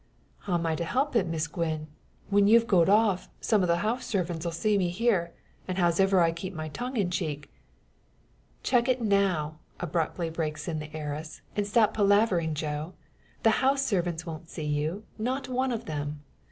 "How'm I to help it, Miss Gwen? When you've goed off, some o' the house sarvints'll see me here, an', hows'ever I keep my tongue in check " "Check it now!" abruptly breaks in the heiress, "and stop palavering, Joe! The house servants won't see you not one of them.